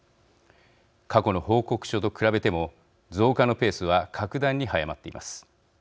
過去の報告書と比べても増加のペースは格段に速まっています。